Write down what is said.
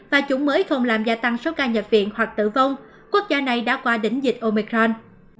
và chủng mới không làm gia tăng số ca nhập viện hoặc tử vong quốc gia này đã qua đỉnh dịch omicron